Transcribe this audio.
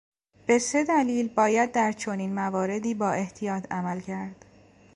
به سه دلیل باید در چنین مواردی با احتیاط عمل کرد.